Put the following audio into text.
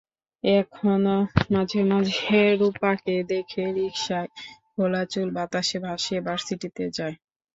এখনো মাঝে মাঝে রূপাকে দেখি, রিকশায় খোলা চুল বাতাসে ভাসিয়ে ভার্সিটিতে যায়।